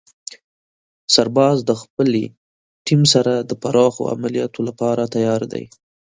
سرباز د خپلې ټیم سره د پراخو عملیاتو لپاره تیار دی.